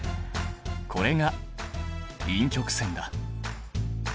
これが陰極線だ。